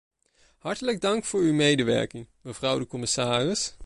Hartelijk dank voor uw medewerking, mevrouw de commissaris.